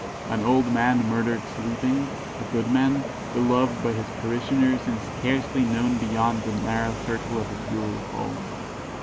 An old man murdered sleeping a good man, beloved by his parishioners and scarcely known beyond the narrow circle of his rural home.